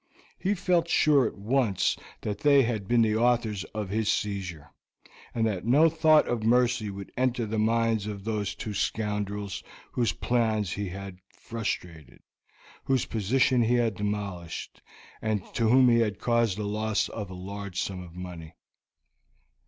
He felt sure at once that they had been the authors of his seizure, and that no thought of mercy would enter the minds of these two scoundrels whose plans he had frustrated, whose position he had demolished, and to whom he had caused the loss of a large sum of money.